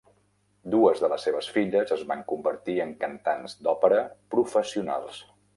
Dues de les seves filles es van convertir en cantants d'òpera professionals.